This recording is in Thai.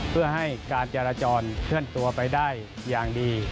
เพื่อให้การจราจรเคลื่อนตัวไปได้อย่างดี